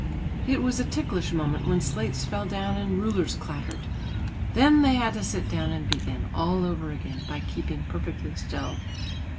It was a ticklish moment when slates fell down and rulers clattered. Then they had to sit down and begin all over again by keeping perfectly still.